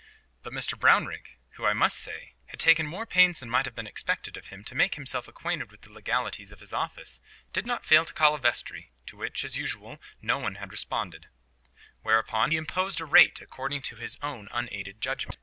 But Mr Brownrigg, who, I must say, had taken more pains than might have been expected of him to make himself acquainted with the legalities of his office, did not fail to call a vestry, to which, as usual, no one had responded; whereupon he imposed a rate according to his own unaided judgment.